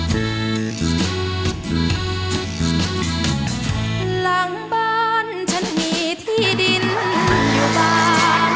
ไม่จะหลังบ้านชั้นมีที่ดินอยู่บ้าน